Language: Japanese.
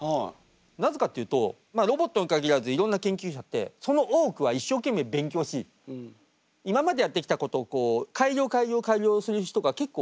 なぜかっていうとロボットに限らずいろんな研究者ってその多くは一生懸命勉強し今までやってきたことを改良改良改良する人が結構多い。